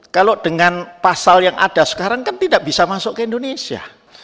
kalau dengan pasal yang ada sekarang kan tidak bisa masuk ke indonesia